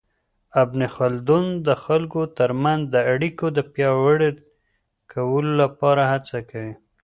ابن خلدون د خلګو ترمنځ د اړیکو د پياوړي کولو لپاره هڅه کوي.